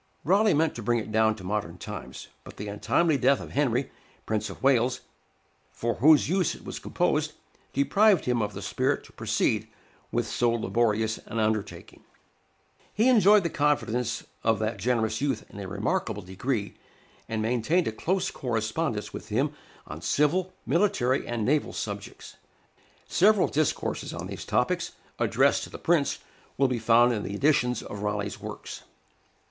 Raleigh meant to bring it down to modern times; but the untimely death of Henry, Prince of Wales, for whose use it was composed, deprived him of the spirit to proceed with so laborious an undertaking. He enjoyed the confidence of that generous youth in a remarkable degree, and maintained a close correspondence with him on civil, military, and naval subjects. Several discourses on these topics, addressed to the prince, will be found in the editions of Raleigh's works.